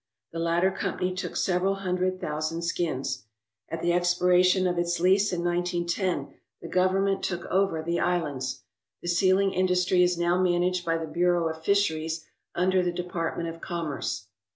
The latter company took several hundred thousand skins. At the expiration of its lease in 1910 the Government took over the islands. The sealing industry is now managed by the Bureau of Fisheries under the Department of Commerce.